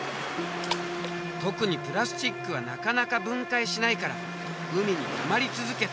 特にプラスチックはなかなか分解しないから海にたまり続けて。